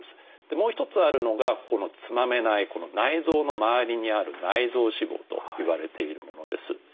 もう一つあるのがこのつまめない内臓の周りにある内臓脂肪と言われているものです。